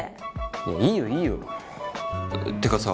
いやいいよいいよ。ってかさ